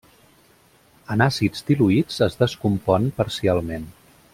En àcids diluïts es descompon parcialment.